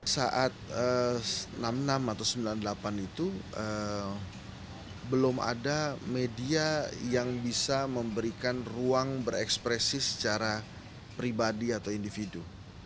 saat enam puluh enam atau sembilan puluh delapan itu belum ada media yang bisa memberikan ruang berekspresi secara pribadi atau individu